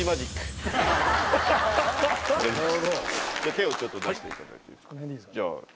手をちょっと出していただいていいですか。